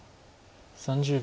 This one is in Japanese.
３０秒。